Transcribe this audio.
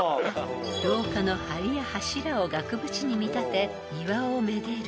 ［廊下の梁や柱を額縁に見立て庭をめでる］